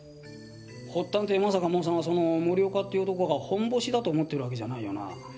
発端ってまさかモーさんはその森岡っていう男がホンボシだと思ってるわけじゃないよな。